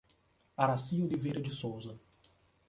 Araci Oliveira de Souza